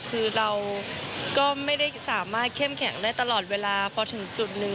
คือเราก็ไม่ได้สามารถเข้มแข็งได้ตลอดเวลาพอถึงจุดหนึ่ง